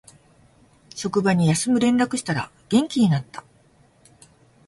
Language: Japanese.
職場に休む連絡したら元気になった